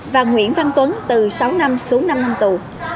và nguyễn văn tuấn từ sáu năm xuống năm năm tù